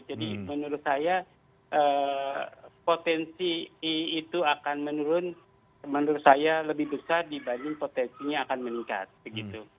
jadi menurut saya potensi itu akan menurun menurut saya lebih besar dibanding potensinya akan meningkat